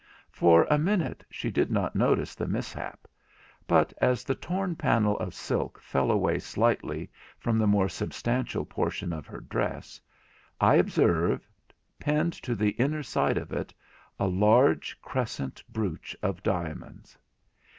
For a minute she did not notice the mishap; but as the torn panel of silk fell away slightly from the more substantial portion of her dress, I observed, pinned to the inner side of it, a large crescent brooch of diamonds.